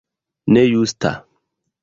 Ne justa!